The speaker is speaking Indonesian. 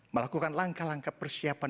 melakukan langkah langkah persiapan